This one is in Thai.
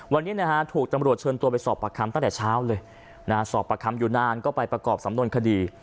วันนี้นะฮะถูกตำรวจเชิญตัวไปสอบปากคำตั้งแต่เช้าเลยสอบประคำอยู่นานก็ไปประกอบสำนวนคดี